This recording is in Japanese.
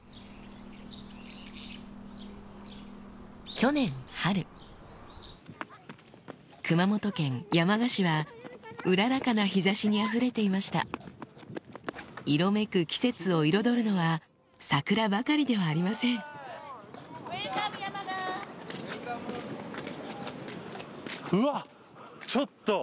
去年春熊本県山鹿市はうららかな日差しにあふれていました色めく季節を彩るのは桜ばかりではありませんうわちょっと！